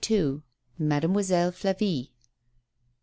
MADEMOISELLE FLA VIE.